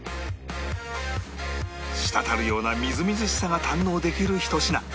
滴るようなみずみずしさが堪能できるひと品